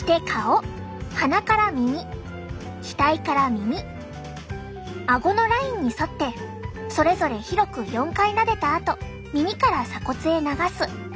鼻から耳額から耳あごのラインに沿ってそれぞれ広く４回なでたあと耳から鎖骨へ流す。